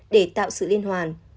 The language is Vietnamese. để tạo sự liên hoàn